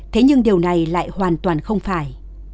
thế nhưng điều này lại hoàn toàn không phải